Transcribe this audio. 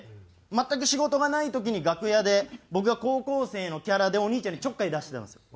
全く仕事がない時に楽屋で僕が高校生のキャラでお兄ちゃんにちょっかい出してたんですよ。